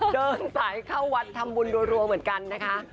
เดินสายเข้าวัดทำบุญรัวเหมือนกันนะคะ